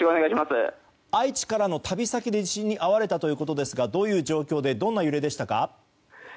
愛知からの旅先で地震に遭われたということですがどういう状況でどんな揺れでしたか？